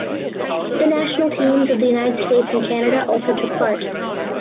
The national teams of the United States and Canada also took part.